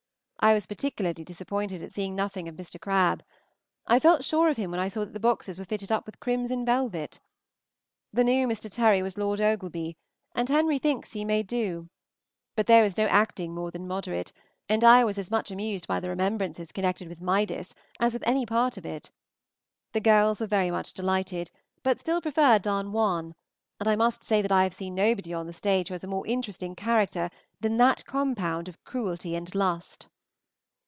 I was particularly disappointed at seeing nothing of Mr. Crabbe. I felt sure of him when I saw that the boxes were fitted up with crimson velvet. The new Mr. Terry was Lord Ogleby, and Henry thinks he may do; but there was no acting more than moderate, and I was as much amused by the remembrances connected with "Midas" as with any part of it. The girls were very much delighted, but still prefer "Don Juan;" and I must say that I have seen nobody on the stage who has been a more interesting character than that compound of cruelty and lust.